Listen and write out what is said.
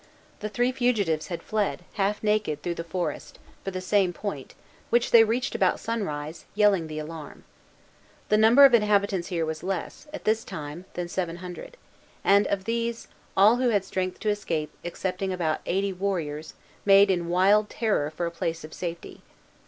The three fugitives had fled, half naked, through the forest, for the same point, which they reached about sunrise, yelling the alarm. The number of inhabitants here was less, at this time, than seven hundred; and, of these, all who had strength to escape, excepting about eighty warriors, made in wild terror for a place of safety.